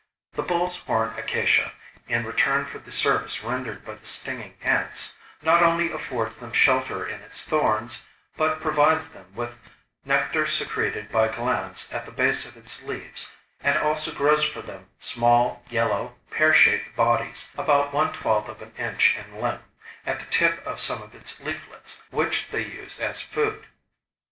The bull's horn acacia, in return for the service rendered by the stinging ants, not only affords them shelter in its thorns, but provides them with nectar secreted by glands at the base of its leaves, and also grows for them small yellow pear shaped bodies, about one twelfth of an inch in length, at the tip of some of its leaflets, which they use as food.